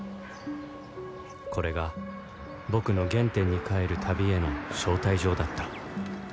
これが僕の原点に返る旅への招待状だった